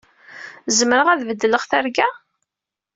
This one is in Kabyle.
Zemreɣ ad beddleɣ targa?